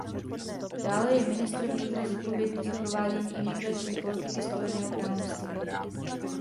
Dále je ministr vnitra zodpovědný za provádění imigrační politiky Spojeného království.